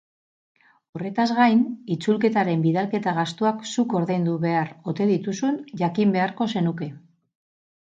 Horretaz gain, itzulketaren bidalketa-gastuak zuk ordaindu behar ote dituzun jakin beharko zenuke.